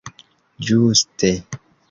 ĝuste